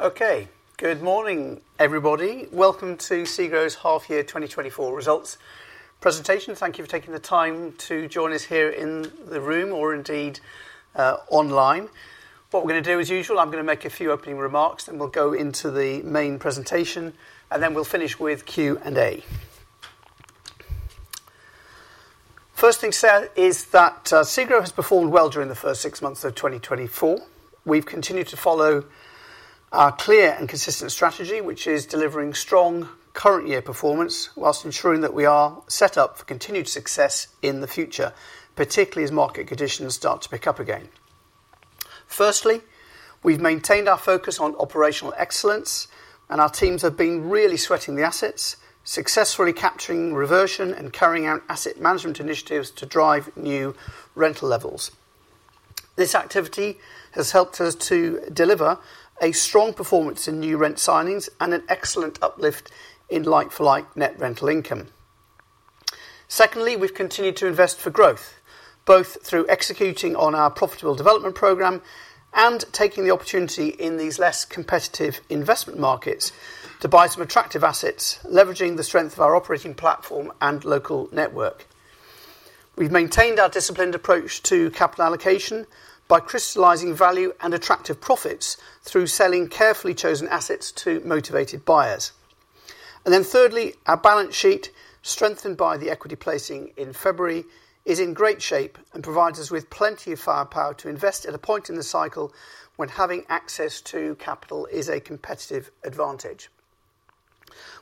Okay. Good morning everybody. Welcome to SEGRO's half year 2024 results presentation. Thank you for taking the time to join us here in the room or indeed online. What we're going to do as usual, I'm going to make a few opening. Remarks, and we'll go into the main. Presentation and then we'll finish with Q&A. First thing said is that SEGRO has performed well during the first six months of 2024. We've continued to follow our clear and consistent strategy which is delivering strong current. Year performance while ensuring that we are set up for continued success in the future, particularly as market conditions start to pick up again. Firstly, we've maintained our focus on operational excellence and our teams have been really sweating the assets, successfully capturing reversion and carrying out asset management initiatives to drive new revenue rental levels. This activity has helped us to deliver a strong performance in new rent signings and an excellent uplift in like-for-like net rental income. Secondly, we've continued to invest for growth both through executing on our profitable development program and taking the opportunity in these less competitive investment markets to buy some attractive assets. Leveraging the strength of our operating platform and local network, we've maintained our disciplined approach to capital allocation by crystallizing value and attractive profits through selling carefully chosen assets to motivated buyers. And then thirdly, our balance sheet, strengthened by the equity placing in February, is in great shape and provides us with plenty of firepower to invest at a point in the cycle when having access to capital is a competitive advantage.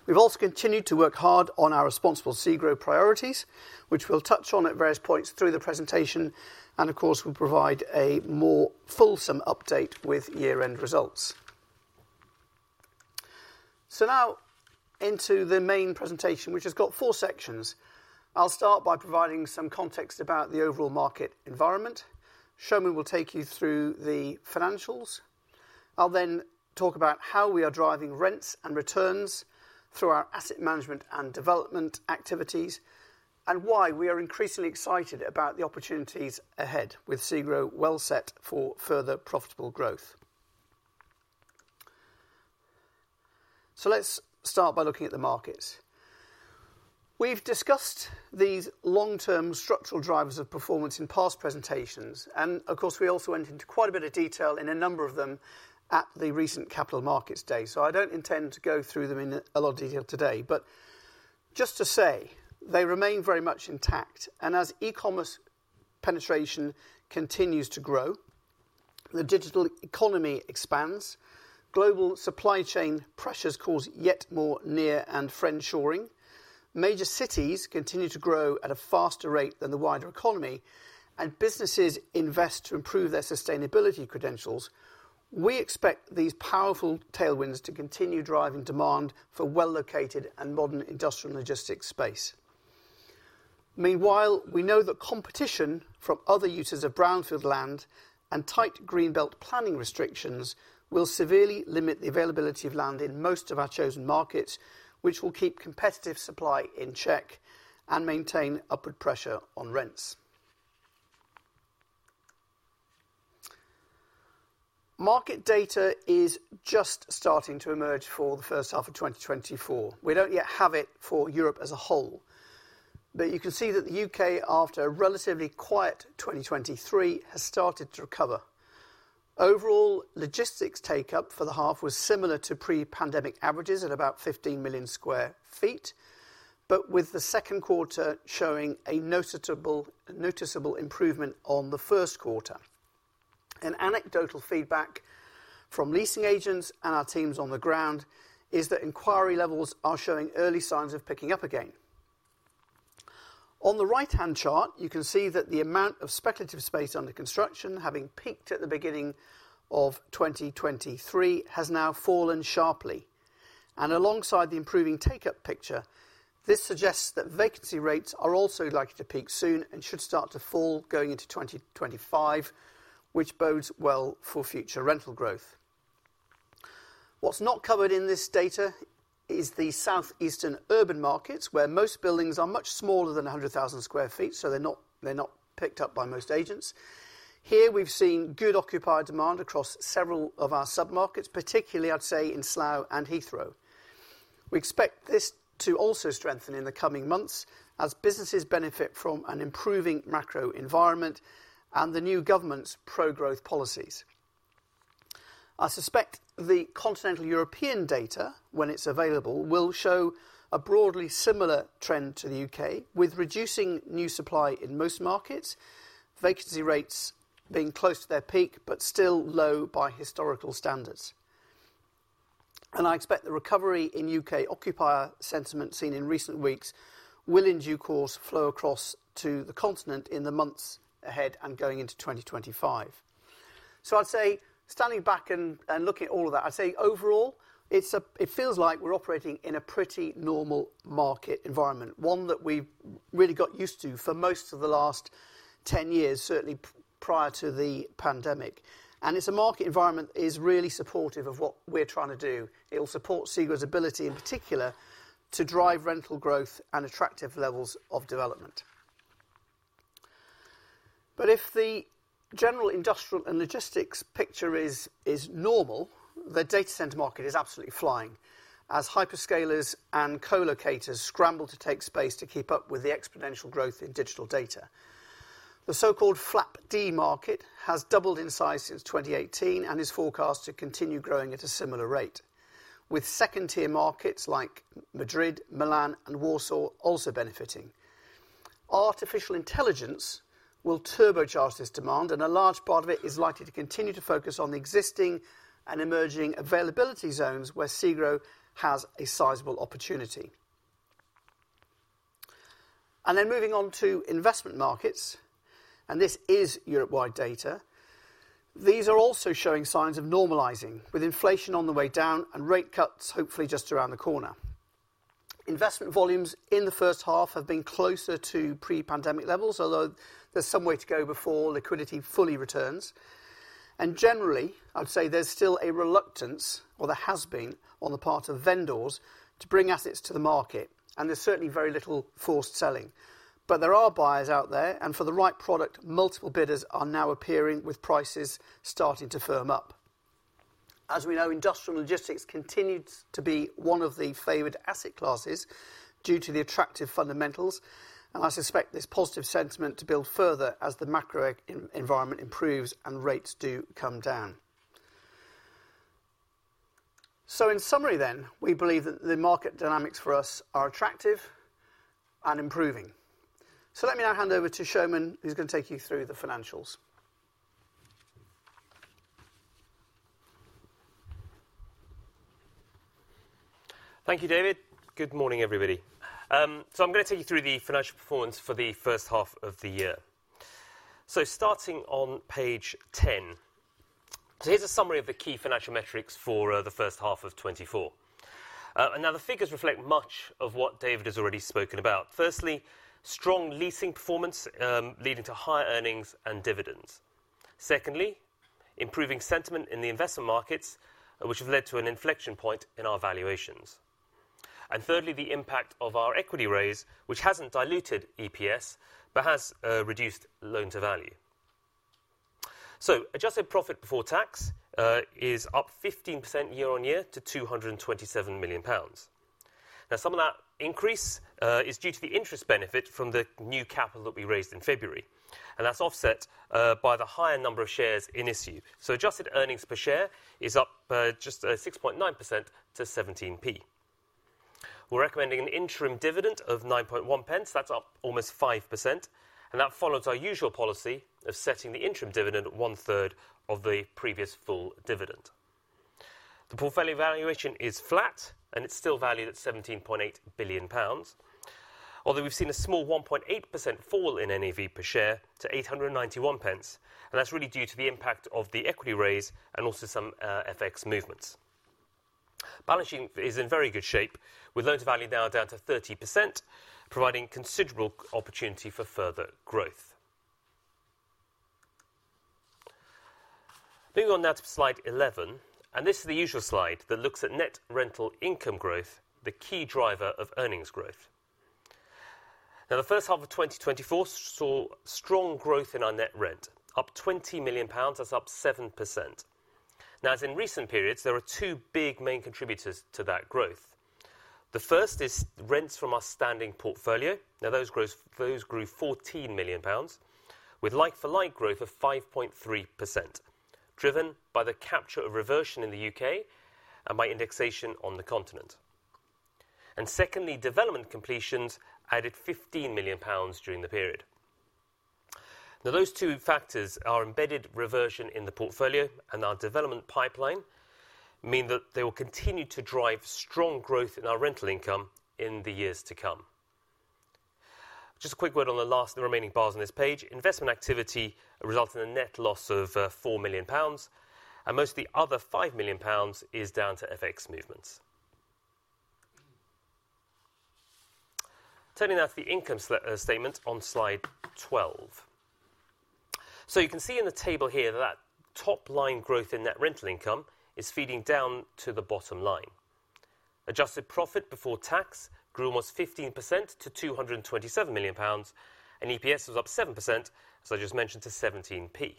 We've also continued to work hard on our esponsible SEGRO priorities which we'll touch on at various points through the presentation. And of course we'll provide a more fulsome update with year-end results. So now into the main presentation which has got four sections. I'll start by providing some context about the overall market environment. Soumen will take you through the financials. I'll then talk about how we are driving rents and returns through our asset management and development activities and why we. Are increasingly excited about the opportunities ahead. With SEGRO well set for further profitable growth. So let's start by looking at the markets. We've discussed these long-term structural drivers of performance in past presentations and of course we also went into quite a bit of detail in a number of them at the recent Capital Markets Day. I don't intend to go through. Them in a lot of detail today, but just to say they remain very much intact. And as e-commerce penetration continues to grow, the digital economy expands. Global supply chain pressures cause yet more near- and friend-shoring. Major cities continue to grow at a faster rate than the wider economy and and businesses invest to improve their sustainability credentials. We expect these powerful tailwinds to continue driving demand for well-located and modern industrial logistics space. Meanwhile, we know that competition from other uses of brownfield land and tight greenbelt planning restrictions will severely limit the availability of land in most of our chosen markets, which will keep competitive supply in check, maintain upward pressure on rents. Market data is just starting to emerge for the first half of 2024. We don't yet have it for Europe as a whole, but you can see that the U.K. after a relatively quiet 2023 has started to recover. Overall logistics take-up for the half was similar to pre-pandemic averages at about 15 million sq ft, but with the second quarter showing a noticeable improvement on the first quarter. Anecdotal feedback from leasing agents and our teams on the ground is that inquiry levels are showing early signs of picking up again. On the right-hand chart you can see that the amount of speculative space under construction having peaked at the beginning of 2023 has now fallen sharply and alongside the improving take-up picture, this suggests that vacancy rates are also likely to peak soon and should start to fall going into 2025, which bodes well for future rental growth. What's not covered in this data is the South East urban markets where most buildings are much smaller than 100,000 sq ft, so they're not picked up by most agents. Here we've seen good occupier demand across several of our submarkets, particularly I'd say in Slough and Heathrow. We expect this to also strengthen in the coming months as businesses benefit from an improving macro environment and the new government's pro growth policies. I suspect the continental European data, when it's available, will show a broadly similar trend to the U.K. with reducing new supply in most markets, vacancy rates being close to their peak but still low by historical standards. I expect the recovery in U.K. occupier sentiment seen in recent weeks will in due course flow across to the continent in the months ahead and going into 2025. So I'd say, standing back and looking at all of that, I'd say overall it feels like we're operating in a pretty normal market environment, one that we really got used to for most of the last 10 years, certainly prior to the pandemic. And it's a market environment is really. Supportive of what we're trying to do. It will support SEGRO's ability in particular to drive rental growth and attractive levels of development. But if the general industrial and logistics picture is normal, the data center market is absolutely flying as hyperscalers and co-locators scramble to take space to keep. Up with the exponential growth in digital data. The so-called FLAP-D market has doubled in size since 2018 and is forecast to continue growing at a similar rate with second-tier markets like Madrid, Milan and Warsaw also benefiting. Artificial intelligence will turbocharge this demand and a large part of it is likely to continue to focus on the existing emerging availability zones where SEGRO has a sizable opportunity and then moving on to investment markets. This is Europe-wide data. These are also showing signs of normalizing with inflation on the way down and rate cuts hopefully just around the corner. Investment volumes in the first half have been closer to pre-pandemic levels, although there's some way to go before liquidity fully returns and generally I'd say there's still a reluctance or there has been on the part of vendors to bring assets to the market and there's certainly very little forced selling. But there are buyers out there and for the right product multiple bidders are now appearing with prices starting to firm up. As we know, industrial logistics continues to be one of the favored asset classes due to the attractive fundamentals and I suspect this positive sentiment to build further as the macro environment improves and rates do come down. So in summary then, we believe that the market dynamics for us are attractive and improving. So let me now hand over to Soumen who's going to take you through the financials. Thank you, David. Good morning everybody. So I'm going to take you through the financial performance for the first half of the year. So starting on page 10, here's a summary of the key financial metrics for first half of 24. Now the figures reflect much of what David has already spoken about. Firstly, strong leasing performance leading to higher earnings and dividends. Secondly, improving sentiment in the investment markets which have led to an inflection point in our valuations. And thirdly, the impact of our equity raise which hasn't diluted EPS but has reduced loan-to-value. So adjusted profit before tax is up 15% year-on-year to 227 million pounds. Now some of that increase is due to the interest benefit from the new capital that we raised in February and that's offset by the higher number of shares in issue. Adjusted earnings per share is up just 6.9% to 17p. We're recommending an interim dividend of 9.1 pence. That's up almost 5%. That follows our usual policy of setting the interim dividend one third of the previous full dividend. The portfolio valuation is flat and it's still valued at 17.8 billion pounds, although we've seen a small 1.8% fall in NAV per share to 891p. That's really due to the impact of the equity raise and also some FX movements. Balance sheet is in very good shape with loan-to-value now down to 30%, providing considerable opportunity for further growth. Moving on now to slide 11 and this is the usual slide that looks at net rental income growth, the key driver of earnings growth. Now, the first half of 2024 saw strong growth in our net rent, up 20 million pounds. That's up 7%. Now, as in recent periods, there are two big main contributors to that growth. The first is rents from our standing portfolio. Those grew 14 million pounds with like for like growth of 5.3%, driven by the capture of reversion in the U.K. and by indexation on the continent. And secondly, development completions added 15 million pounds during the period. Now, those two factors, our embedded reversion in the portfolio and our development pipeline, mean that they will continue to drive strong growth in our rental income in the years to come. Just a quick word on the last remaining bars on this page. Investment activity result in a net loss of 4 million pounds and most of the other 5 million pounds is down to FX movements. Turning now to the income statement on slide 12. So you can see in the table here that top line growth in net rental income is feeding down to the bottom line. Adjusted profit before tax grew almost 15% to 227 million pounds and EPS was up 7%, as I just mentioned, to 17p.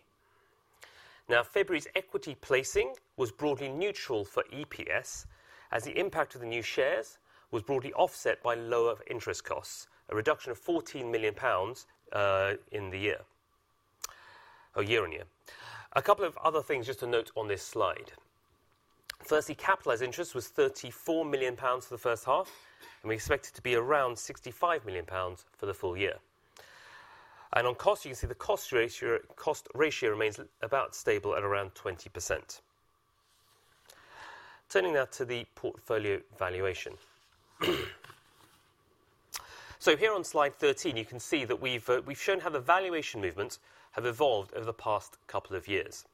Now, February's equity placing was broadly neutral for EPS as the impact of the new shares was broadly offset by lower interest costs. A reduction of 14 million pounds in the year, year-on-year. A couple of other things just to note on this slide. Firstly, capitalized interest was 34 million pounds for the first half and we expect it to be around GB 65 million pounds for the full year. And on cost, you can see the cost ratio remains about stable at around 20%. Turning now to the portfolio valuation. So, here on slide 13 you can see that we've shown how the valuation movements have evolved over the past couple of years.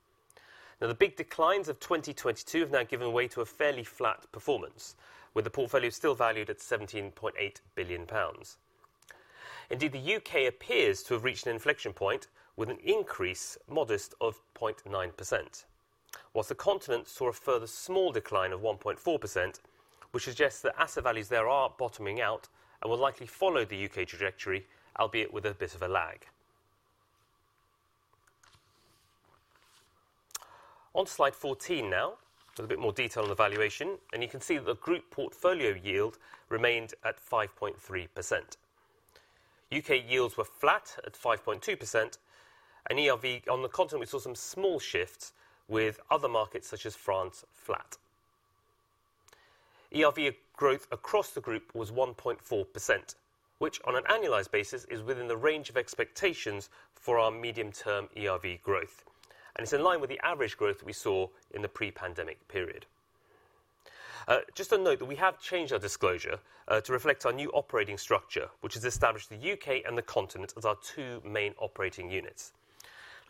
Now, the big declines of 2022 have now given way to a fairly flat performance with the portfolio still valued at 17.8 billion pounds. Indeed, the U.K. appears to have reached an inflection point with an increase modest of 0.9% while the continent saw a further small decline of 1.4% which suggests that asset values there are bottoming out and will likely follow the U.K. trajectory, albeit with a bit of a lag. On slide 14, now with a bit more detail on the valuation and you can see the group portfolio yield remained at 5.3%. U.K. yields were flat at 5.2%. ERV on the continent we saw some small shifts with other markets such as France flat. ERV growth across the group was 1.4%, which on an annualized basis is within the range of expectations for our medium-term ERV growth and it's in line with the average growth we saw in the pre-pandemic period. Just a note that we have changed our disclosure to reflect our new operating structure which has established the U.K. and the Continent as our two main operating units.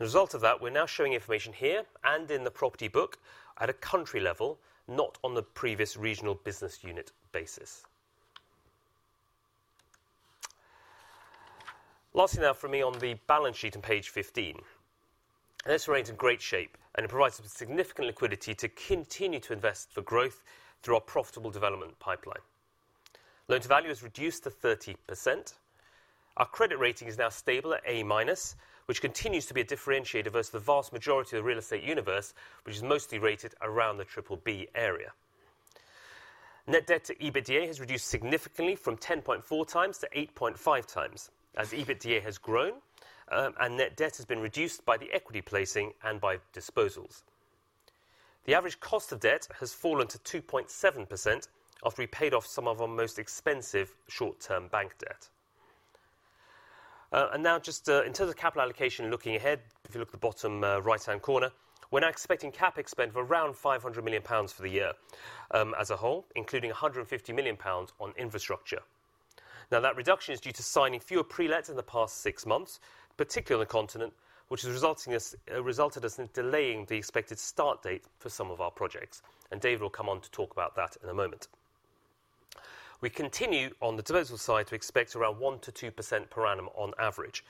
As a result of that we're now showing information here and in the property book at a country level, not on the previous regional business unit basis. Lastly now for me on the balance sheet on page 15 this is in great shape and it provides significant liquidity to continue to invest for growth through our profitable development pipeline. Loan-to-value has reduced to 30%. Our credit rating is now stable at A, which continues to be a differentiator versus the vast majority of the real estate universe which is mostly rated around the BBB area. Net debt to EBITDA has reduced significantly from 10.4x to 8.5x as EBITDA has grown. Net debt has been reduced by the equity placing and by disposals. The average cost of debt has fallen to 2.7% after we paid off some of our most expensive short-term bank debt. Now just in terms of capital allocation looking ahead, if you look at the bottom right-hand corner we're now expecting CapEx spend of around 500 million pounds for the year as a whole including 150 million pounds on infrastructure. Now that reduction is due to signing fewer pre-lets in the past six months particularly on the continent which has resulted in delaying the expected start date for some of our projects and David will come on to talk about that in a moment. We continue on the disposal side to expect around 1%-2% per annum on average.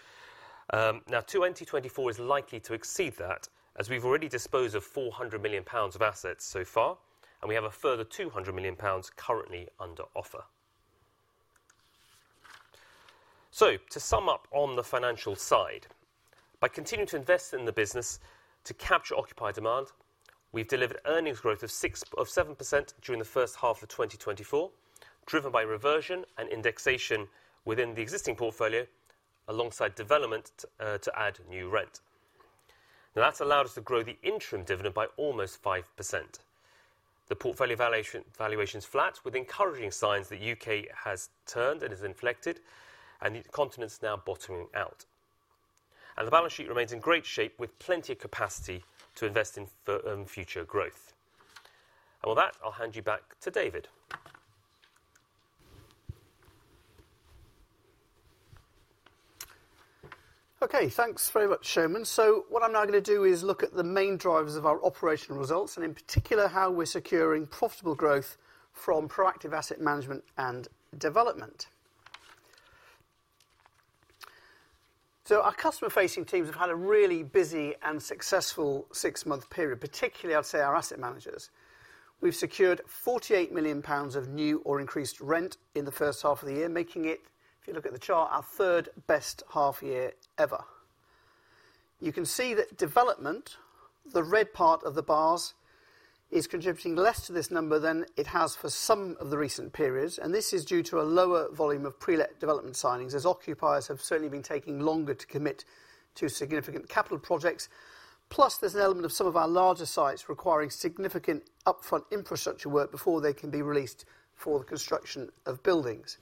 Now 2024 is likely to exceed that as we've already disposed of 400 million pounds of assets so far and we have a further 200 million pounds currently under offer. So to sum up on the financial side by continuing to invest in the business to capture occupier demand. We've delivered earnings growth of 7% during the first half of 2024, driven by reversion and indexation within the existing portfolio alongside development to add new rent. Now that's allowed us to grow the interim dividend by almost 5%. The portfolio valuation is flat with encouraging signs that U.K. has turned and is inflected and the continent is now bottoming out and the balance sheet remains in great shape with plenty of capacity to invest in future growth. With that I'll hand you back to David. Okay, thanks very much Soumen. So what I'm now going to do is look at the main drivers of our operational results and in particular how we're securing profit from proactive asset management and development. So our customer facing teams have had a really busy and successful six month period, particularly I'd say our asset managers. We've secured 48 million pounds of new or increased rent in the first half of the year, making it, if you look at the chart, our third best half year ever. You can see that development, the red part of the bars, is contributing less to this number than it has for some of the recent periods. And this is due to a lower volume of pre-let development signings as occupiers have certainly been taking longer to commit to significant capital projects. Plus there's an element of some of our larger sites requiring significant upfront infrastructure work before they can be released for the construction of buildings.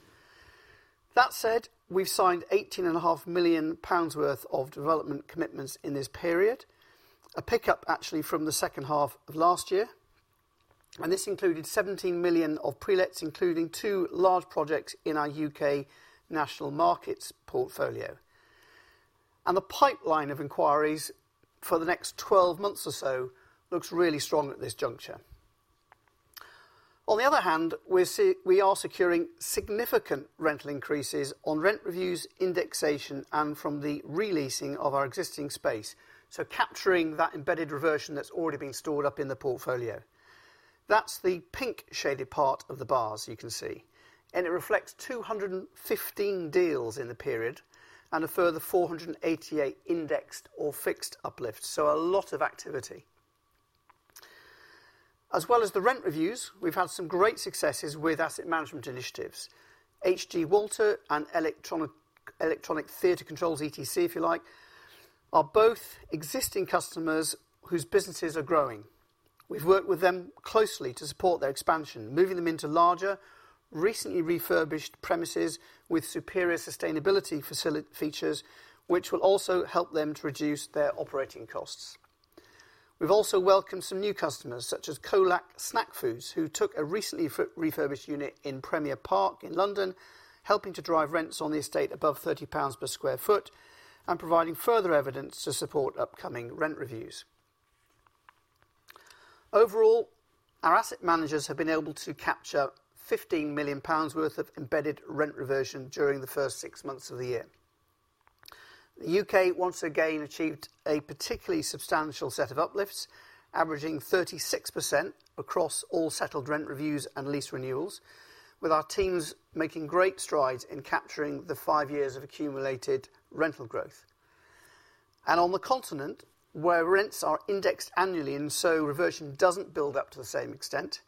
That said, we've signed 18.5 million pounds worth of development commitments in this period, a pickup actually from the second half of last year and this included 17 million of pre-lets, including two large projects in our U.K. National Markets portfolio. The pipeline of inquiries for the next 12 months or so looks really strong at this juncture. On the other hand, we are securing significant rental increases on rent reviews, indexation and from the re-leasing of our existing space, so capturing that embedded reversion that's already been stored up in the portfolio. That's the pink shaded part of the bars you can see and it reflects 215 deals in the period and a further 488 indexed or fixed uplift. So a lot of activity as well as the rent reviews, we've had some great successes with asset management initiatives. H.G. Walter and Electronic Theatre Controls ETC if you like are both existing customers whose businesses are growing. We've worked with them closely to support their expansion, moving them into larger recently refurbished premises with superior sustainability features which will also help them to reduce their operating costs. We've also welcomed some new customers such as Kolak Snack Foods, who took a recently refurbished unit in Premier Park in London, helping to drive rents on the estate above 30 pounds per sq ft and providing further evidence to support upcoming rent reviews. Overall, our asset managers have been able to capture 15 million pounds worth of embedded rent reversion during the first six months of the year. The U.K. once again achieved a particularly substantial set of uplifts, averaging 36% across all settled rent reviews and lease renewals, with our teams making great strides in capturing the five years of accumulated rental growth. And on the continent, where rents are indexed annually and so reversion doesn't build up to the same extent,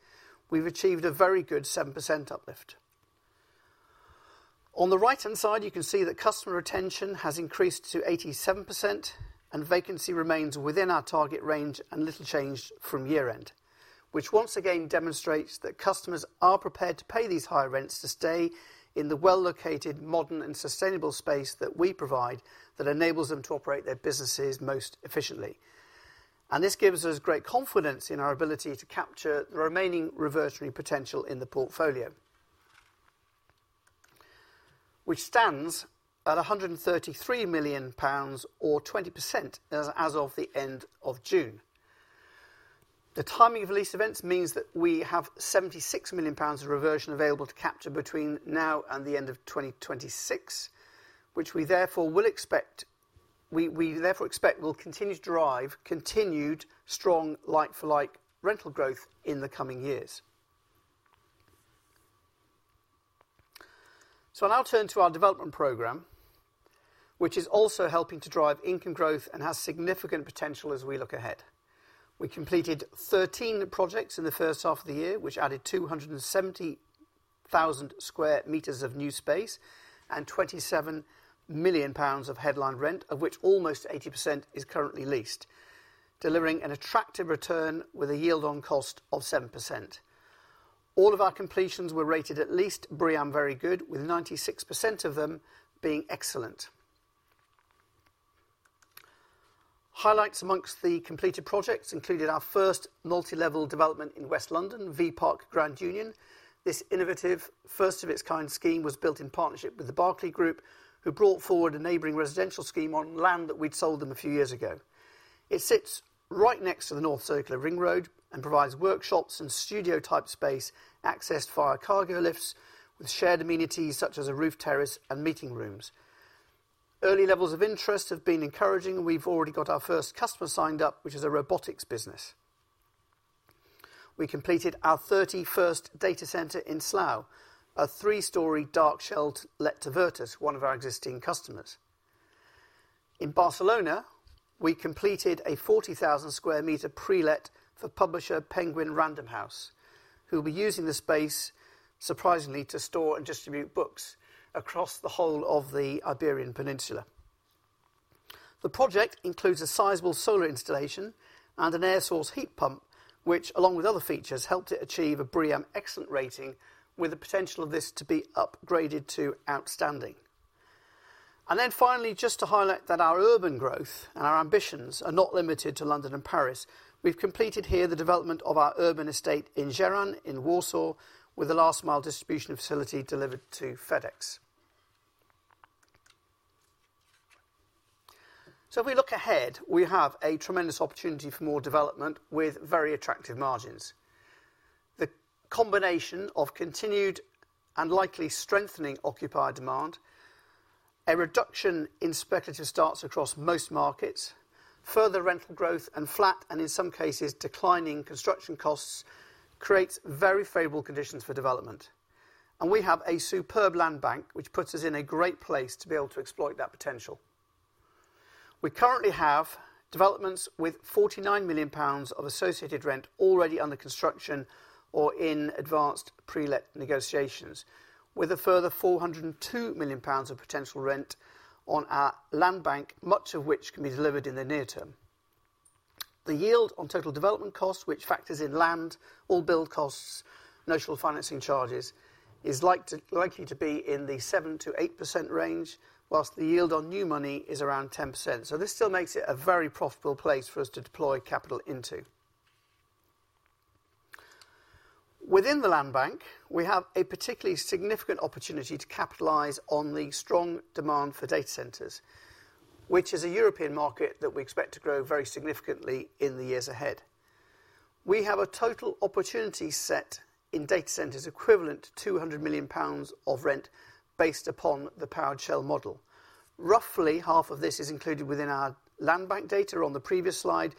we've achieved a very good 7% uplift. On the right hand side you can see that customer retention has increased to 87% and vacancy remains within our target range. And little change from year end, which once again demonstrates that customers are prepared to pay these higher rents to stay in the well located, modern and sustainable space that we provide that enables them to operate their businesses most efficiently. This gives us great confidence in our ability to capture the remaining reversionary potential in the portfolio, which stands at 133 million pounds or 20% as of the end of June. The timing of lease events means that we have 76 million pounds of reversion available to capture between now and the end of 2026, which we therefore will expect. We therefore expect will continue to drive continued strong like-for-like rental growth in the coming years. I'll now turn to our development program which is also helping to drive income growth and has significant potential as we look ahead. We completed 13 projects in the first half of the year which added 270,000 sq m of new space and 27 million pounds of headline rent, of which almost 80% is currently leased, delivering an attractive return with a yield on cost of 7%. All of our completions were rated at least BREEAM Very Good, with 96% of them being Excellent. Highlights amongst the completed projects included our first multi-level development in West London, V-Park Grand Union. This innovative first of its kind scheme was built in partnership with The Berkeley Group, who brought forward a neighboring residential scheme on land that we'd sold them a few years ago. It sits right next to the North Circular ring road and provides workshops and studio-type space accessed via cargo lifts with shared amenities such as a roof terrace and meeting rooms. Early levels of interest have been encouraging. We've already got our first customer signed up, which is a robotics business. We completed our 31st data center in Slough, a three-story dark shell let to VIRTUS, one of our existing customers. In Barcelona. We completed a 40,000 sq m pre-let for publisher Penguin Random House who will be using the space surprisingly to. Store and distribute books across the whole. Of the Iberian Peninsula. The project includes a sizeable solar installation and an air source heat pump which, along with other features, helped it achieve a BREEAM Excellent rating with the potential of this to be upgraded to outstanding. And then finally, just to highlight that our urban growth and our ambitions are not limited to London and Paris, we've completed here the development of our urban estate in Żerań in Warsaw with the last mile distribution facility delivered to FedEx. So if we look ahead we have a tremendous opportunity for more development with very attractive margins. The combination of continued and likely strengthening occupier demand, a reduction in speculative starts across most markets, further rental growth and flat and in some cases declining construction costs creates very favorable conditions for development. And we have a superb land bank which puts us in a great place. To be able to exploit that potential. We currently have developments with 49 million pounds of associated rent already under construction or in advanced pre-let negotiations with a further 402 million pounds of potential rent, our land bank, much of which can be delivered in the near term. The yield on total development cost which factors in land, all build costs, notional. Financing charges is likely to be in. The 7%-8% range while the yield on new money is around 10%. So this still makes it a very profitable place for us to deploy capital into. Within the land bank we have a particularly significant opportunity to capitalize on the strong demand for data centers which is a European market that we expect to grow very significantly in the years ahead. We have a total opportunity set in data centers equivalent to 200 million pounds of rent based upon the powered shell model. Roughly half of this is included within our land bank data on the previous slide.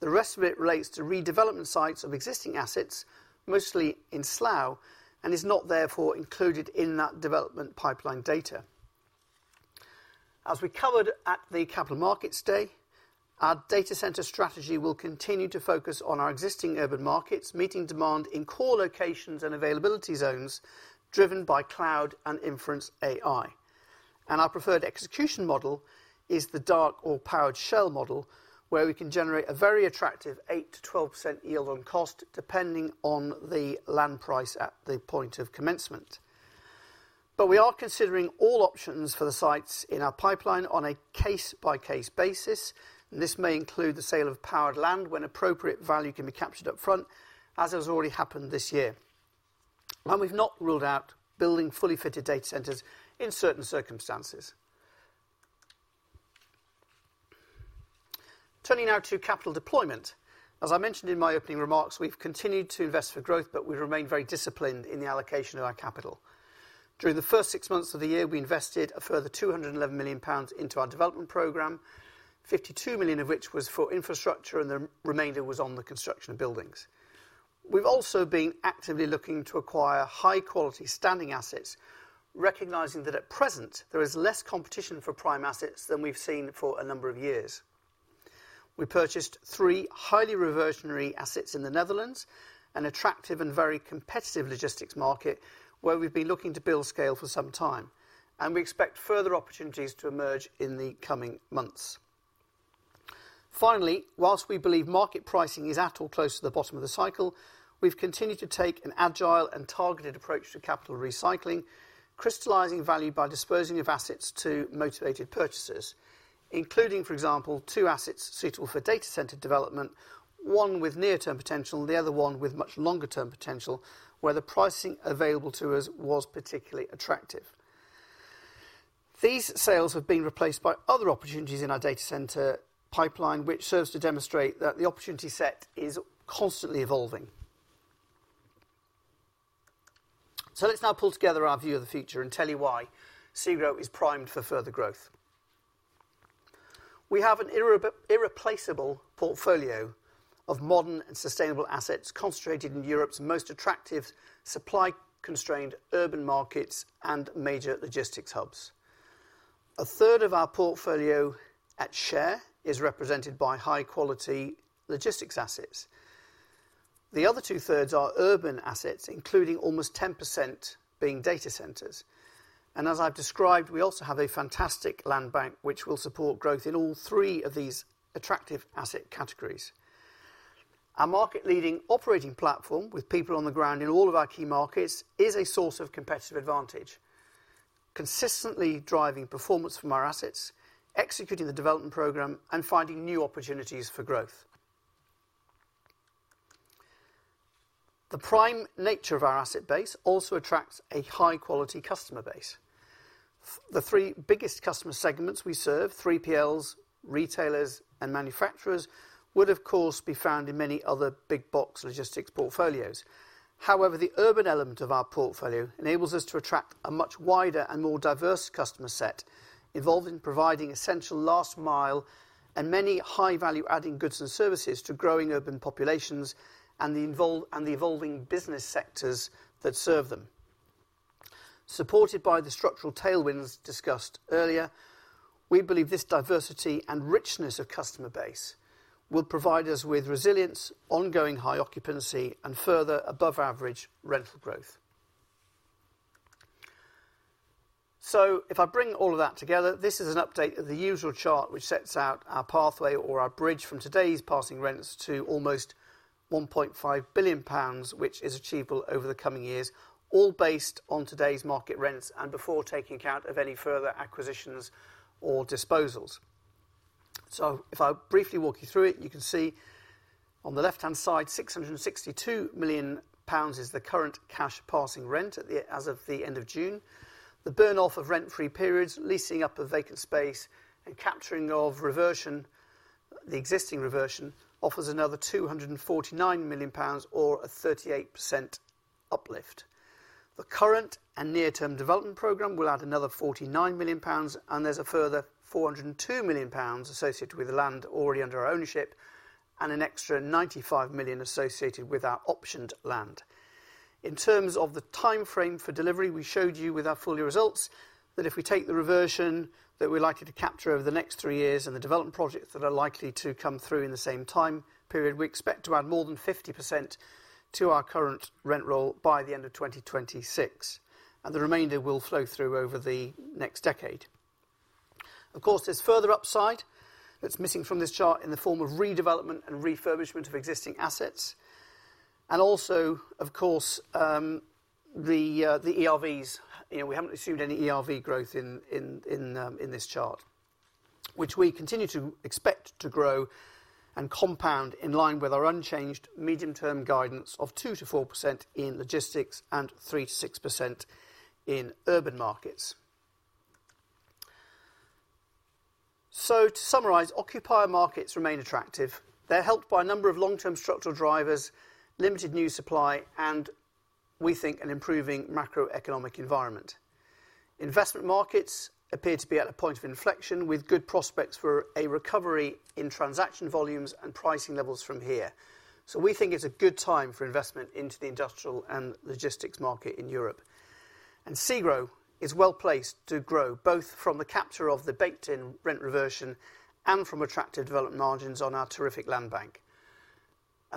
The rest of it relates to redevelopment sites of existing assets, mostly in Slough, and is not therefore included in that development pipeline data. As we covered at the capital markets day, our data center strategy will continue to focus on our existing urban markets meeting demand in core locations and availability zones driven by cloud and inference AI. Our preferred execution model is the dark or powered shell model where we can generate a very attractive 8%-12% yield on cost depending on the land price at the point of commencement. We are considering all options for the sites in our pipeline on a case-by-case basis and this may include the sale of powered land when appropriate value can be captured up front, as has already happened this year and we've not ruled out building fully fitted data centers in certain circumstances. Turning now to capital deployment, as I mentioned in my opening remarks, we've continued to invest for growth but we remain very disciplined in the allocation of our capital. During the first six months of the year we invested a further 211 million pounds into our development programme, 52 million of. Which was for infrastructure and the remainder was on the construction of buildings. We've also been actively looking to acquire high-quality standing assets, recognizing that at present there is less competition for prime assets than we've seen for a number of years. We purchased three highly reversionary assets in the Netherlands, attractive and very competitive logistics market where we've been looking to build scale for some time and we expect further opportunities to emerge in the coming months. Finally, while we believe market pricing is at or close to the bottom of the cycle, we've continued to take an agile and targeted approach to capital recycling crystallizing value by disposing of assets to motivated purchases including for example two assets suitable for data center development, one with near-term potential, the other one with much longer-term potential where the pricing available to us was particularly attractive. These sales have been replaced by other opportunities in our data center pipeline which serves to demonstrate that the opportunity set is constantly evolving. So let's now pull together our view. Of the future and tell you why SEGRO is primed for further growth. We have an irreplaceable portfolio of modern and sustainable assets concentrated in Europe's most attractive supply constrained urban markets and major logistics hubs. A third of our portfolio at share is represented by high quality logistics assets. The other 2/3 are urban assets including almost 10% being data centers. And as I've described, we also have a fantastic land bank which will support growth in all three of these attractive asset categories. Our market leading operating platform with people on the ground in all of our key markets is a source of competitive advantage. Consistently driving performance from our assets, executing the development program and finding new opportunities for growth. The prime nature of our asset base also attracts a high quality customer base. The three biggest customer segments we serve 3PLs, retailers and manufacturers would of course be found in many other big box logistics portfolios. However, the urban element of our portfolio enables us to attract a much wider and more diverse customer set involved in providing essential last-mile and many high-value-adding goods and services to growing urban populations and the evolving business sectors that serve them, supported by the structural tailwinds discussed earlier. We believe this diversity and richness of customer base will provide us with resilience, ongoing high occupancy and further above-average rental growth. So if I bring all of that together. This is an update of the usual chart which sets out our pathway or our bridge from today's passing rents to almost 1.5 billion pounds which is achievable over the coming years, all based on today's market rents and before taking account. Of any further acquisitions or disposals. So if I briefly walk you through it, you can see on the left-hand side, 662 million pounds is the current cash passing rent as of the end of June. The burn-off of rent-free periods, leasing up of vacant space and capturing of reversion. The existing reversion offers another 249 million pounds or a 38% uplift. The current and near-term development programme will add another 49 million pounds. There's a further 402 million pounds associated with land already under our ownership and an extra 95 million associated with our optioned land in terms of the time frame for delivery. We showed you with our full year results that if we take the reversion that we're likely to capture over the next three years and the development projects that are likely to come through in the same time period, we expect to add more than 50% to our current rent roll by the end of 2026 and the remainder will flow through over the next decade. Of course there's further upside that's missing from this chart in the form of redevelopment and refurbishment of existing assets. And also of course the ERVs. We haven't assumed any ERV growth in. This chart, which we continue to expect to grow and compound in line with our unchanged medium-term guidance of 2%-4% in logistics and 3%-6% in urban markets. So to summarize, occupier markets remain attractive. They're helped by a number of long-term structural drivers, limited new supply and we think an improving macroeconomic environment. Investment markets appear to be at a point of inflection with good prospects for a recovery in transaction volumes and pricing levels from here. So we think it's a good time. For investment into the industrial and logistics market in Europe. SEGRO is well placed to grow both from the capture of the baked in rent reversion and from attractive development margins on our terrific land bank.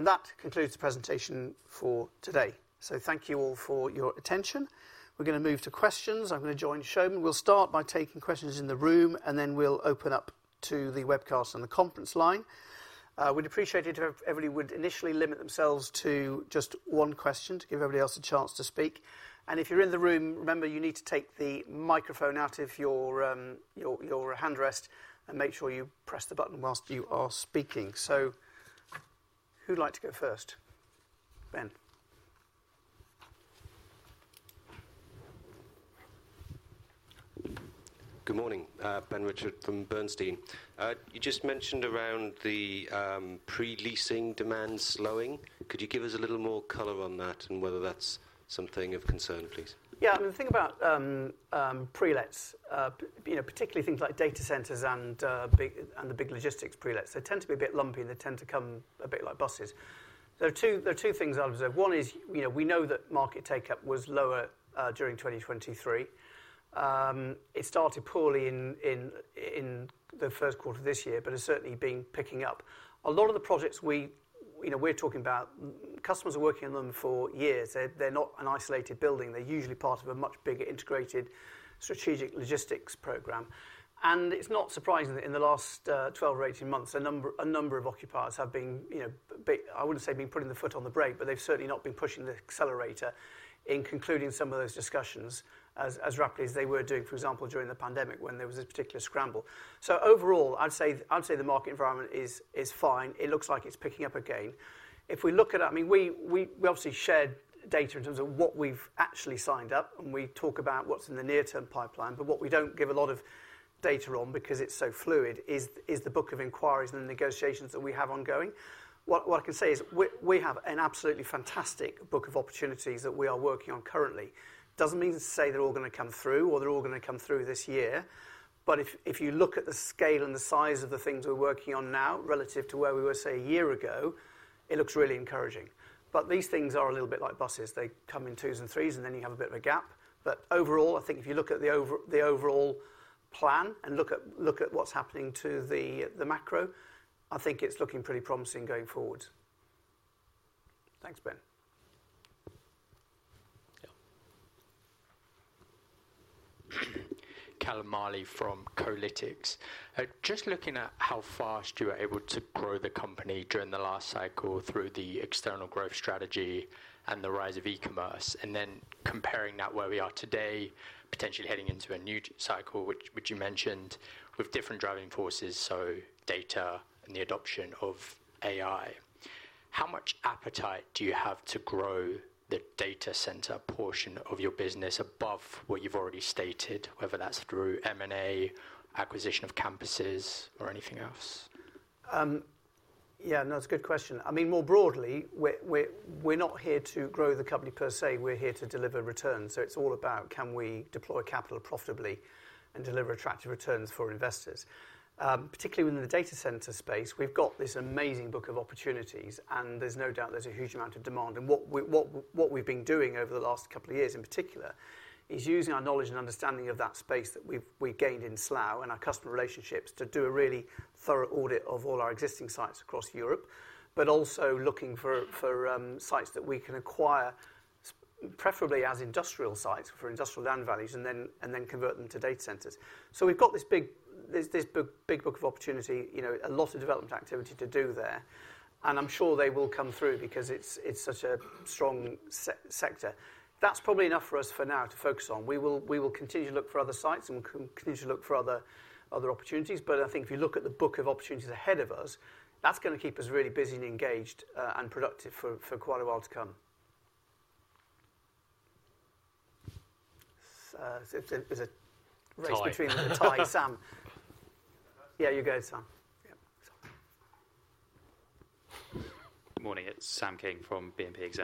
That concludes the presentation for today. Thank you all for your attention. We're going to move to questions. I'm going to join Soumen. We'll start by taking questions in the room and then we'll open up to the webcast and the conference line. We'd appreciate it if everybody would initially limit themselves to just one question too. Give everybody else a chance to speak. If you're in the room, remember you need to take the microphone out. Off your handset and make sure you press the button while you are speaking. So who'd like to go first? Ben. Good morning, Ben. Richford from Bernstein. You just mentioned around the pre leasing demand slowing. Could you give us a little more color on that and whether that's something of concern, please? Yeah. The thing about pre-lets, particularly things like data centers and the big logistics pre-let, they tend to be a bit lumpy and they tend to come a bit like buses. There are two things I've observed. One is we know that market take-up was lower during 2023. It started poorly in the first quarter this year, but has certainly been picking up a lot of the projects we're talking about. Customers are working on them for years. They're not an isolated building. They're usually part of a much bigger integrated strategic logistics program. It's not surprising that in the last 12 or 18 months a number of occupiers have been, I wouldn't say been putting the foot on the brake, but they've certainly not been pushing the accelerator in concluding some of those discussions as rapidly as they were doing, for example, during the pandemic when there was this particular scramble. Overall I'd say the market environment is fine. It looks like it's picking up again if we look at it. I mean, we obviously shared data in terms of what we've actually signed up and we talk about what's in the near term pipeline. But what we don't give a lot of data on because it's so fluid, is the book of inquiries and negotiations that we have ongoing. What I can say is we have an absolutely fantastic book of opportunities that we are working on currently. Doesn't mean to say they're all going to come through or they're all going to come through this year. But if you look at the scale and the size of the things we're working on now relative to where we were say a year ago, it looks really encouraging. But these things are a little bit like buses. They come in twos and threes and then you have a bit of a gap. But overall, I think if you look. At the overall plan and look at. What's happening to the macro? I think it's looking pretty promising going forward. Thanks, Ben. Callum Marley from Kolytics. Just looking at how fast you were able to grow the company during the last cycle through the external growth strategy and the rise of e-commerce and then comparing that where we are today, potentially heading into a new cycle which you mentioned with different driving forces. So data and the adoption of AI. How much appetite do you have to grow the data center portion of your business above what you've already stated? Whether that's through M and A acquisition of campuses or anything else. Yeah, no, it's a good question. I mean more broadly, we're not here to grow the company per se, we're here to deliver returns. So it's all about can we deploy capital profitably and deliver attractive returns for investors, particularly within the data center space. We've got this amazing book of opportunities and there's no doubt there's a huge amount of demand. And what we've been doing over the last couple of years in particular is using our knowledge and understanding of that space that we gained in Slough and our customer relationships to do a really thorough audit of all our existing sites across Europe, but also looking for sites that we can acquire, preferably as industrial sites for industrial land values and then convert them to data centers. So we've got this big book of opportunity, a lot of development activity to do there and I'm sure they will come through because it's such a strong sector. That's probably enough for us for now to focus on. We will continue to look for other sites and we'll continue to look for other other opportunities. But I think if you look at the book of opportunities ahead of us. That's going to keep us really busy. Engaged and productive for quite a while to come. Race between Ty, Sam. Yeah, you go Sam. Good morning, it's Sam King from BNP Paribas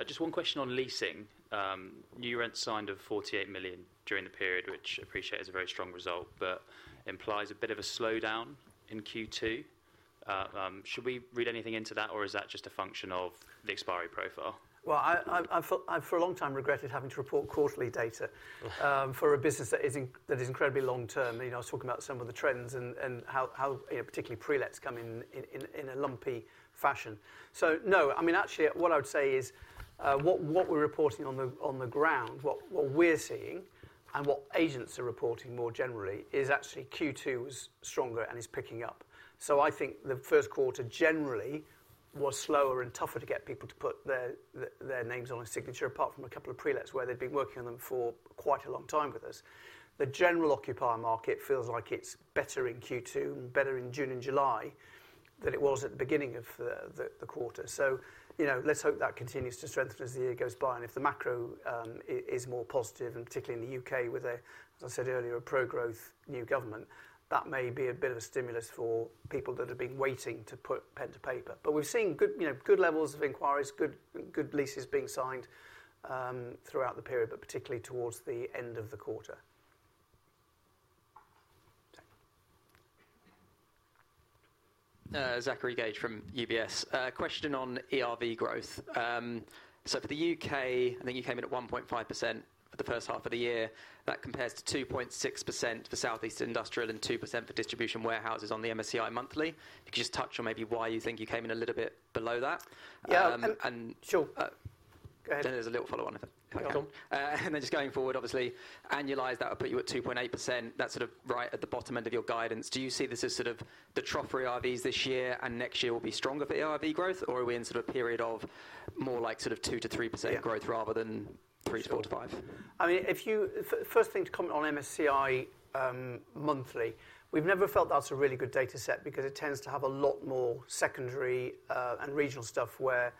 Exane. Just one question on leasing new rent signed of 48 million during the period, which I appreciate is a very strong result but implies a bit of a slowdown in Q2. Should we read anything into that or is that just a function of the expiry profile? Well, I for a long time regretted having to report quarterly data for a business that is incredibly long term. I was talking about some of the trends and how particularly pre-lets come in a lumpy fashion. No, I mean actually what I would say is what we're reporting on the ground, what we're seeing and what agents are reporting more generally is actually Q2 was stronger and is picking up. So I think the first quarter generally was slower and tougher to get people to put their names on a signature. Apart from a couple of pre-lets where they'd been working on them for quite a long time. With us, the general occupier market feels like it's better in Q2 and better in June and July than it was at the beginning of the quarter. So you know, let's hope that continues to strengthen as the year goes by and if the macro is more positive and particularly in the U.K. with a, as I said earlier, a pro growth new government, that may be a bit of a stimulus for people that have been waiting to put pen to paper. But we've seen good levels of inquiries, good leases being signed throughout the period, but particularly towards the end of the quarter. Zachary Gauge from UBS. Question on ERV growth. So for the U.K. I think you came in at 1.5% for the first half of the year. That compares to 2.6% for South East Industrial and 2% for distribution warehouses. On the MSCI Monthly, if you could just touch on maybe why you think you came in a little bit below that. Sure. Then there's a little follow on, and then just going forward, obviously annualized, that will put you at 2.8%. That's sort of right at the bottom end of your guidance. Do you see this as sort of the trophy ERVs this year and next year will be stronger for ERV growth or are we in sort of a period of more like sort of 2%-3% growth rather than 3%-4%-5%? I mean, the first thing to comment on MSCI Monthly, we've never felt that's a really good data set because. It tends to have a lot more. Secondary and regional stuff where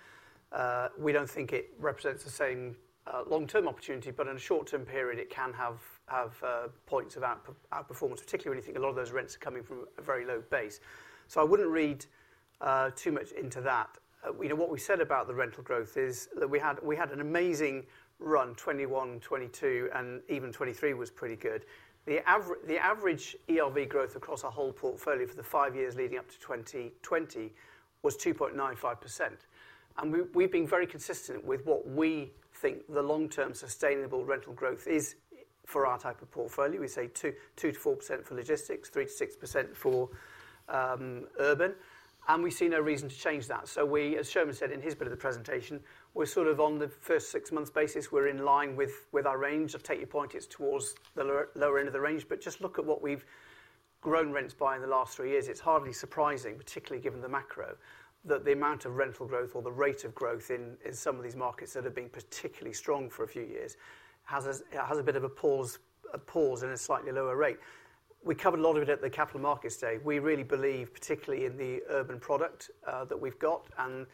we don't think it represents the same long-term opportunity. But in a short-term period it can have points of outperformance, particularly when you think a lot of those rents are coming from a very low base. So I wouldn't read too much into that. What we said about the rental growth is that we had an amazing run. 2021, 2022 and even 2023 was pretty good. The average ERV growth across our whole portfolio for the five years leading up to 2020 was 2.95% and we've been very consistent with what we think the long-term sustainable rental growth is. For our type of portfolio we say 2%-4% for logistics, 3%-6% for urban and we see no reason to change that. So we, as Soumen said in his bit of the presentation, we're sort of on the first six months basis, we're in line with our range. To take your point, it's towards the lower end of the range. But just look at what we've grown rents by in the last three years. It's hardly surprising, particularly given the macro, that the amount of rental growth or the rate of growth in some of these markets that have been particularly strong for a few years has a bit of a pause and a slightly lower rate. We covered a lot of it at the capital markets day. We really believe, particularly in the urban product that we've got. And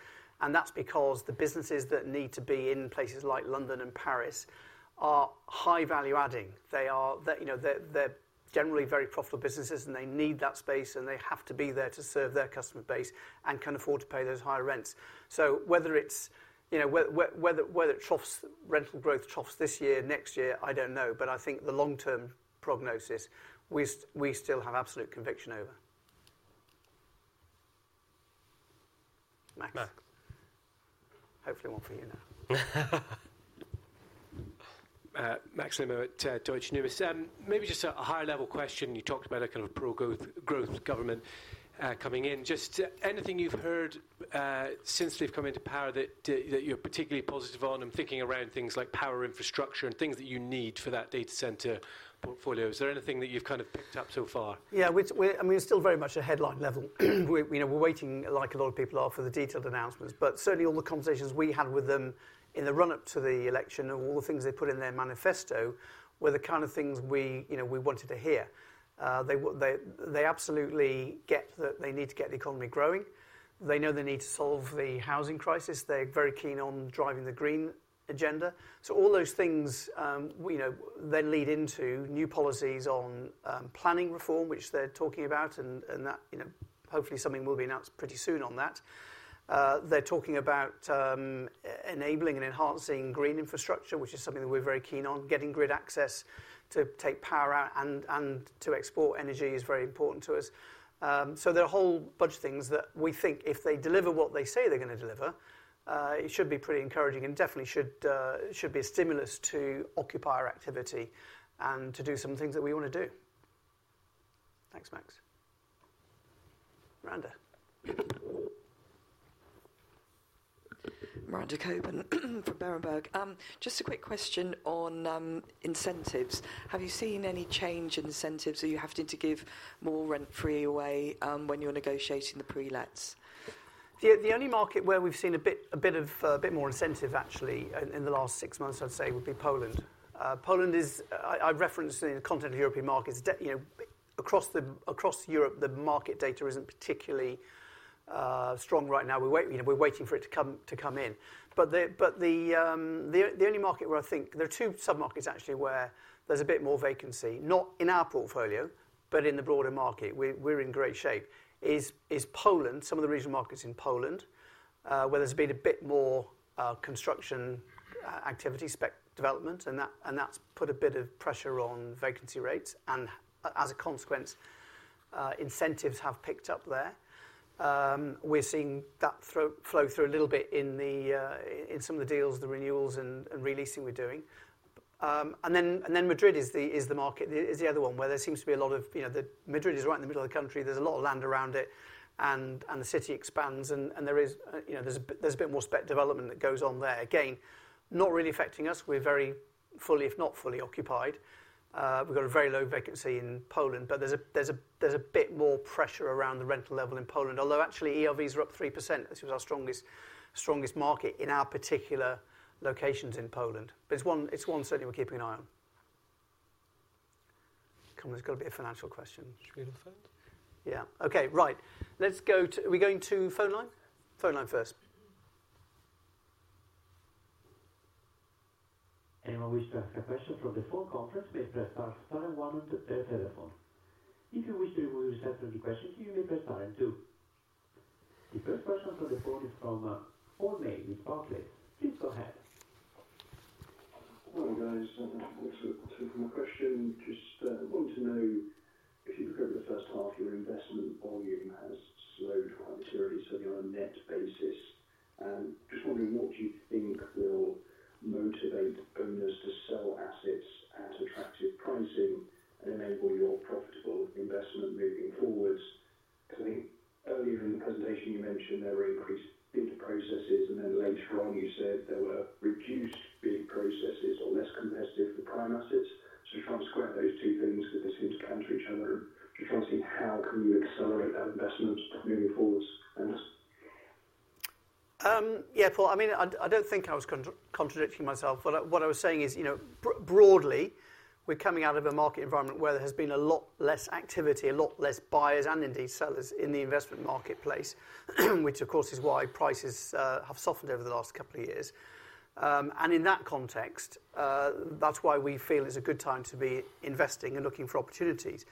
that's because the businesses that need to be in places like London and. Paris are high value adding. They are, you know, they're generally very profitable businesses and they need that space and they have to be there to serve their customer base and can afford to pay those higher rents. So whether it's, you know, whether it troughs, rental growth troughs this year, next year, I don't know. But I think the long-term prognosis we still have absolute conviction over. Hopefully. One for you now. Max Nimmo at Deutsche Numis. Maybe just a high-level question. You talked about a kind of pro-growth government coming in. Just anything you've heard since they've come into power that you're particularly positive on and thinking around things like power, infrastructure and things that you need for that data center portfolio. Is there anything that you've kind of picked up so far? Yeah, I mean, we're still very much a headline level. We're waiting like a lot of people are for the detailed announcements, but certainly all the conversations we had with them in the run up to the election, all the things they put in their manifesto were the kind of things we, you know, we wanted to hear. They absolutely get that they need to get the economy growing. They know they need to solve the housing crisis. They're very keen on driving the green agenda. So all those things, you know, then lead into new policies on planning reform, which they're talking about and that hopefully something will be announced pretty soon on that. They're talking about enabling and enhancing green infrastructure, which is something that we're very keen on. Getting grid access to take power out and to export energy is very important to us. There are a whole bunch of things that we think if they deliver what they say they're going to deliver, it should be pretty encouraging and definitely should be a stimulus to occupier activity and to do some things that we want to do. Thanks, Max. Miranda. Miranda Cockburn from Berenberg. Just a quick question on incentives. Have you seen any change in incentives? Are you having to give more rent-free away when you're negotiating the pre-lets? The only market where we've seen a bit more incentive actually in the last six months I'd say would be Poland. Poland is. I referenced the content of European markets across Europe. The market data isn't particularly strong right now. We're waiting for it to come in. But the only market where I think there are two sub markets actually where there's a bit more vacancy not in our portfolio but in the broader market we're in great shape, is Poland. Some of the regional markets in Poland where there's been a bit more construction activity, spec development and that, and that's put a bit of pressure on vacancy rates and as a consequence incentives have picked up there. We're seeing that flow through a little bit in some of the deals, the renewals and releasing we're doing and then Madrid is the market is the other one where there seems to be a lot of, you know, Madrid is right in the middle of the country. There's a lot of land around it and the city expands and there is, you know, there's a bit more spec development that goes on there. Again, not really affecting us. We're very fully, if not fully occupied. We've got a very low vacancy in Poland, but there's a bit more pressure around the rental level in Poland. Although actually ERVs are up 3%. This was our strongest market in our particular locations in Poland, but it's one certainly we're keeping an eye on. Come on, it's got to be a financial question. Should we have phone? Yeah. Okay. Right, let's go to. Are we going to phone line? Phone line first. Anyone wish to ask a question from the phone conference may press star one on the telephone. If you wish to remove yourself from the queue, you may press pound and two. The first question for the phone is from Paul May at Barclays. Please go ahead. Hi guys. Just want to know if you look over the first half, your investment volume has slowed quite materially, certainly on a net basis. Just wondering what you think will motivate owners to sell assets at attractive pricing and enable your profitable investment moving forward. Earlier in the presentation you mentioned there were increased processes and then later on you said there were reduced bid processes or less competitive for prime assets. So try and square those two things because they seem to counter each other to try and see how can you accelerate that investment moving forward? Yeah, Paul, I mean, I don't think I was contradicting myself, but what I was saying is, you know, broadly, we're. Coming out of a market environment where. There has been a lot less activity, a lot less buyers and indeed sellers in the investment marketplace, which of course is why prices have softened over the last couple of years. In that context, that's why we feel is a good time to be. Investing and looking for opportunities.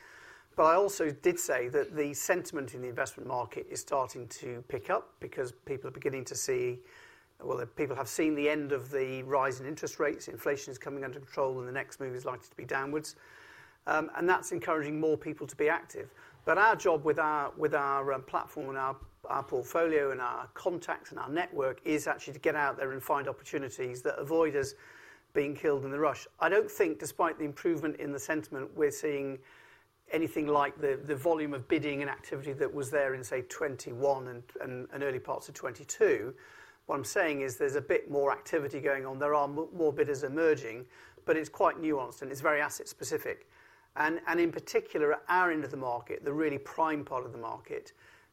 But I also did say that the sentiment in the investment market is starting to pick up because people are beginning to see. Well, people have seen the end of the rise in interest rates, inflation is coming under control and the next move is like likely to be downwards and that's encouraging more people to be active. But our job with our platform and our portfolio and our contacts and our. Network is actually to get out there. Find opportunities that avoid us being killed in the rush. I don't think despite the improvement in. The sentiment, we're seeing anything like the volume of bidding and activity that was there in say, 2021 and early parts of 2022. What I'm saying is there's a bit more activity going on, there are more bidders emerging, but it's quite nuanced and it's very asset specific. In particular at our end of. The market, the really prime part of the market,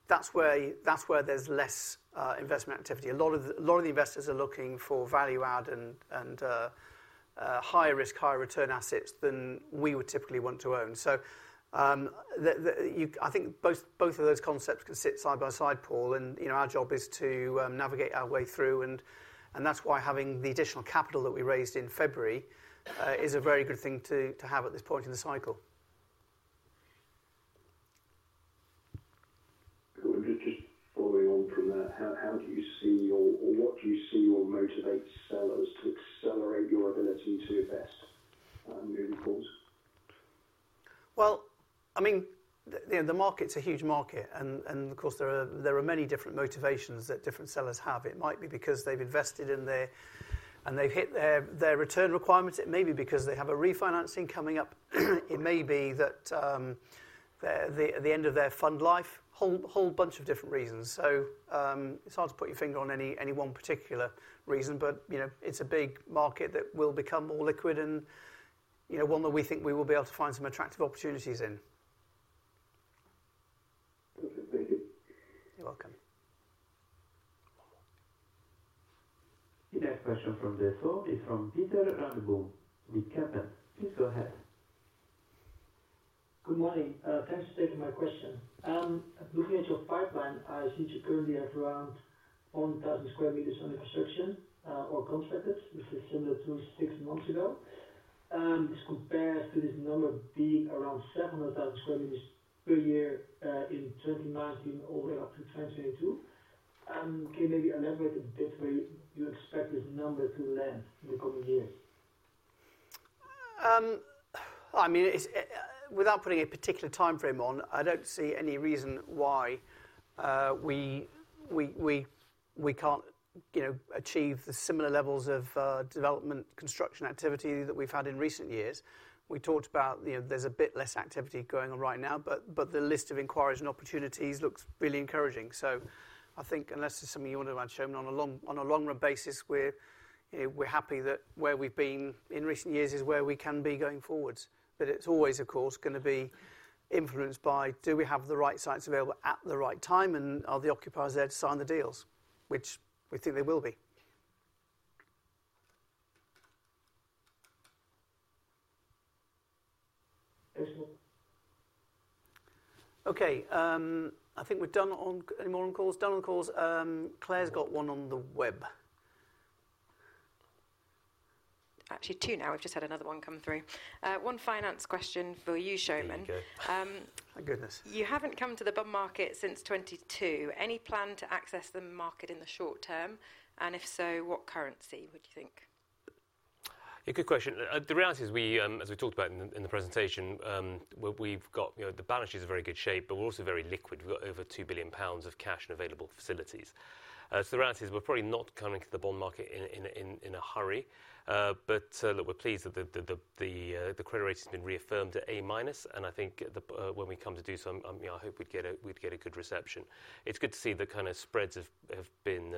that's where there's less investment activity. A lot of the investors are looking for value add and higher risk, higher return assets than we would typically want to own. So I think both of those concepts can sit side by side, Paul. And our job is to navigate our way through and, and that's why having. The additional capital that we raised in. February is a very good thing to have at this point in the cycle. Just following on from that, how do you see or what do you see will motivate sellers to accelerate your ability to invest moving forward? Well, I mean, the market's a huge market and of course there are many different motivations that different sellers have. It might be because they've invested in there and they've hit their return requirements, it may be because they have a refinancing coming up, it may be that the end of their fund life, whole bunch of different reasons. So it's hard to put your finger on any one particular reason. But, you know, it's a big market that will become more liquid and, you know, one that we think we will be able to find some attractive opportunities in. You're welcome. The next question from the floor is from Pieter Runneboom, Kempen & Co. Please go ahead. Good morning. Thanks for taking my question and looking at your pipeline, I seem to currently have around 1,000 sq m of infrastructure already contracted, which is similar to six months ago. This compares to this number being around 700,000 sq m per year in 2019 all the way up to 2022. Can you maybe elaborate a bit where you expect this number to land in the coming years? I mean, without putting a particular time. Frame on, I don't see any reason why we can't achieve the similar levels of development construction activity that we've had in recent years we talked about. There's a bit less activity going on right now, but the list of inquiries and opportunities looks really encouraging. So I think unless there's something you want to add, Soumen, on a long-run basis, we're happy that where we've been in recent years is where we can be going forwards. But it's always of course going to be influenced by do we have the right sites available at the right time and are the occupiers there to sign the deals which we think they will be. Okay, I think we're done on. Any more on calls? Done on calls. Claire's got one on the web. Actually two now. We've just had another one come through. One finance question for you, Soumen. You haven't come to the bond market since 2020. Any plan to access the market in the short term and if so, what currency would you think? Good question. The reality is we, as we talked about in the presentation, we've got the balance sheet is very good shape but we're also very liquid. We've got over 2 billion pounds of cash and available facilities. So the reality is we're probably not coming to the bond market in a hurry, but we're pleased that the credit rate has been reaffirmed at a minus. And I think when we come to do so, I hope we'd get a good reception. It's good to see the kind of spreads have been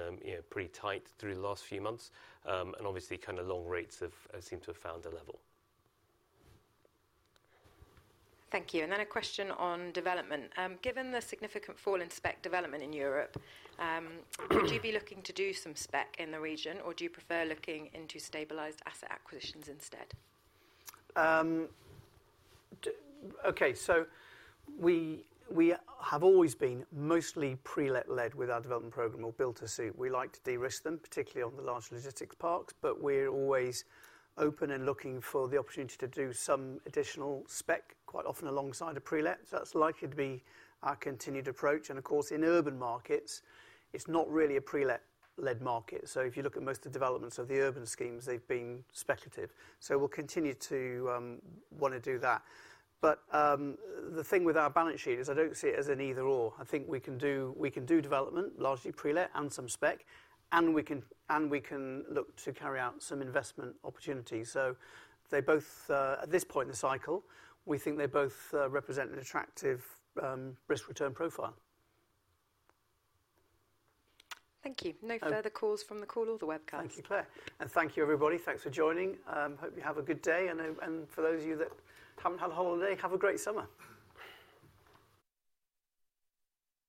pretty tight through the last few months and obviously kind of long rates seem to have found a level. Thank you. And then a question on development. Given the significant fall in spec development in Europe, would you be looking to do some spec in the region or do you prefer looking into stabilised asset acquisitions instead? Okay, so we have always been mostly pre-let led with our development program or build-to-suit. We like to de-risk them particularly on the large logistics parks, but we're always open and looking for the opportunity to do some additional spec quite often alongside a pre-let. So that's likely to be our continued approach. And of course, in urban markets, it's not really a pre-let led market. So if you look at most of the developments of the urban schemes, they've been split. So we'll continue to want to do that. But the thing with our balance sheet is I don't see it as an either-or. I think we can do development largely pre-let and some spec, and we can look to carry out some investment opportunities. So they both, at this point in the cycle, we think they both represent an attractive risk-return profile. Thank you. No further calls from the call or the webcast. Thank you, Claire. And thank you, everybody. Thanks for joining. Hope you have a good day. And for those of you that haven't had a holiday, have a great summer.